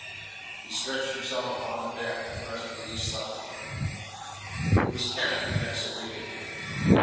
He stretched himself upon the bed, and presently he slept again. It was Kenneth who next awakened him.